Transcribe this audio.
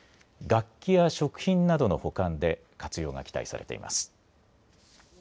楽器や食品などの保管で活用が期待されています。